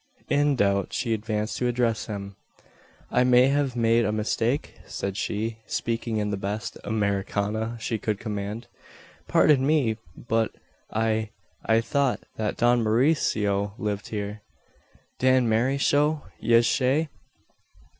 In doubt she advanced to address him: "I may have made a mistake?" said she, speaking in the best "Americana" she could command. "Pardon me, but I I thought that Don Mauricio lived here." "Dan Marryshow, yez say?